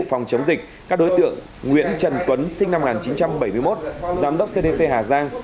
phòng chống dịch các đối tượng nguyễn trần tuấn sinh năm một nghìn chín trăm bảy mươi một giám đốc cdc hà giang